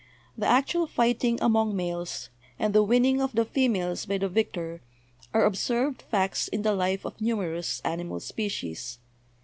The actual fighting among males, and the winning of the females by the victor, are ob served facts in the life of numerous animal species.